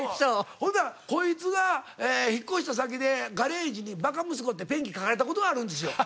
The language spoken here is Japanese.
ほんならこいつが引っ越した先でガレージに「バカ息子」ってペンキ書かれた事があるんですよ。